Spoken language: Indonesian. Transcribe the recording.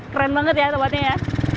keren banget ya tempatnya ya